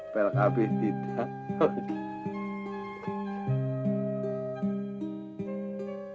pelak abe tidak